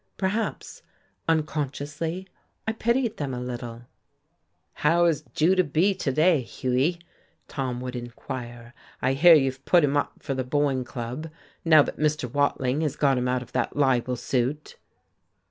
Perhaps, unconsciously, I pitied them a little. "How is Judah B. to day, Hughie?" Tom would inquire. "I hear you've put him up for the Boyne Club, now that Mr. Watling has got him out of that libel suit."